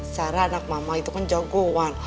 cara anak mama itu kan jagoan